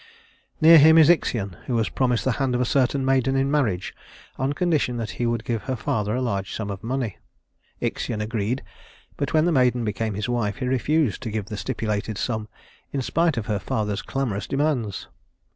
Near him is Ixion, who was promised the hand of a certain maiden in marriage, on condition that he would give her father a large sum of money. Ixion agreed, but when the maiden became his wife, he refused to give the stipulated sum, in spite of her father's clamorous demands.